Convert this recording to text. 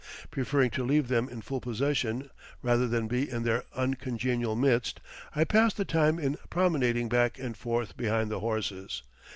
Preferring to leave them in full possession rather than be in their uncongenial midst, I pass the time in promenading back and forth behind the horses.